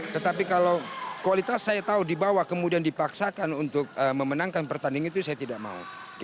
tetapi kalau kualitas saya tahu di bawah kemudian dipaksakan untuk memenangkan pertandingan itu saya tidak mau